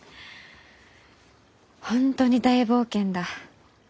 本当に大冒険だ。